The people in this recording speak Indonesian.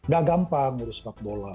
gak gampang ngurus sepak bola